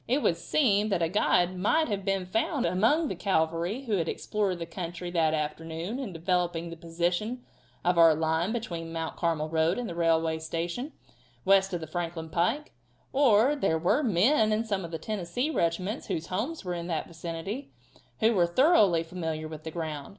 It would seem that a guide might have been found among the cavalry who had explored the country that afternoon in developing the position of our line between the Mount Carmel road and the railway station, west of the Franklin pike; or there were men in some of the Tennessee regiments whose homes were in that vicinity, who were thoroughly familiar with the ground.